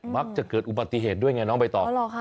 มักจะเกิดอุบัติเหตุด้วยไงน้องใบตอง